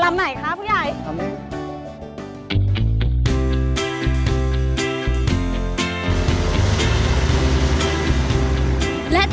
อาหารที่สุดในประวัติศาสตร์